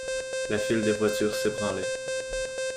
La file des voitures s'ébranlait.